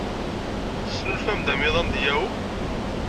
Tesnulfam-d amiḍan deg Yahoo?